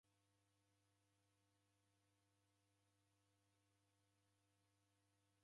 Kisaya chape ni madedo ghiseboie.